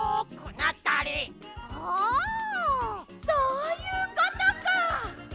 そういうことか！